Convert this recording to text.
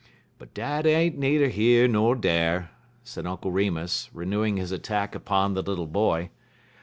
"But dat ain't needer yer ner dar," said Uncle Remus, renewing his attack upon the little boy.